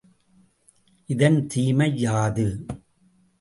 இதன் தீமை யாது?